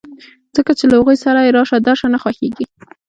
ځکه چې له هغوی سره یې راشه درشه نه خوښېږي